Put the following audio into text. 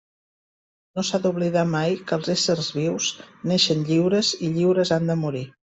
No s'ha d'oblidar mai que els éssers vius naixen lliures i lliures han de morir.